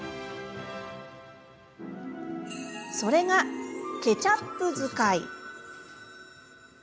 それが、ケチャップ使い。